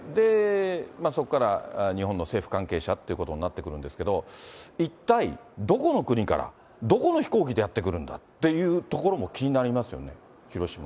そこから日本の政府関係者っていうことになってくるんですけど、一体どこの国から、どこの飛行機でやって来るんだというところも気になりますよね。